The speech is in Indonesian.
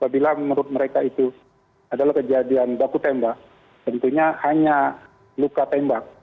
bila menurut mereka itu adalah kejadian baku tembak tentunya hanya luka tembak